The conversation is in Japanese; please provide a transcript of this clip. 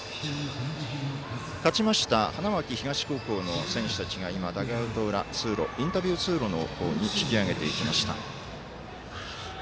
勝ちました花巻東高校の選手たちがインタビュー通路に引き上げていきました。